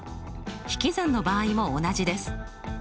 引き算の場合も同じです。